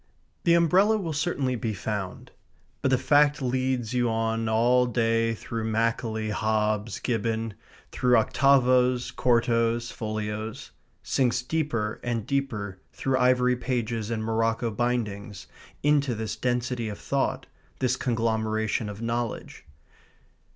The umbrella will certainly be found. But the fact leads you on all day through Macaulay, Hobbes, Gibbon; through octavos, quartos, folios; sinks deeper and deeper through ivory pages and morocco bindings into this density of thought, this conglomeration of knowledge.